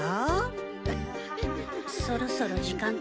そろそろ時間か。